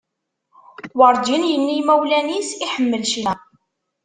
Werğin yenna i yimawlan-is iḥemmel ccna.